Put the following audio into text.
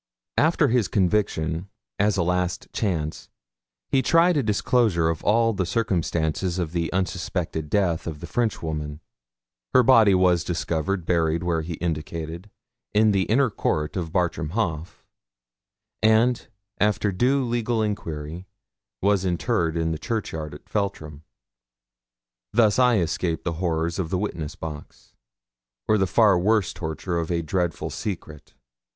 After his conviction, as a last chance, he tried a disclosure of all the circumstances of the unsuspected death of the Frenchwoman. Her body was discovered buried where he indicated, in the inner court of Bartram Haugh, and, after due legal enquiry, was interred in the churchyard of Feltram. Thus I escaped the horrors of the witness box, or the far worse torture of a dreadful secret.